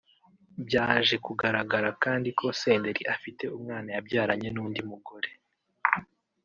byaje kugaragara kandi ko Senderi afite umwana yabyaranye n’undi mugore